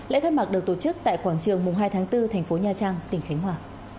lễ khai mạc được tổ chức tại quảng trường mùng hai tháng bốn thành phố nha trang tỉnh khánh hòa